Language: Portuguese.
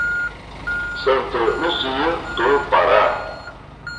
Santa Luzia do Pará